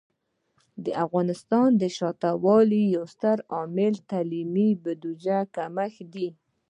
د افغانستان د شاته پاتې والي یو ستر عامل د تعلیمي بودیجې کمښت دی.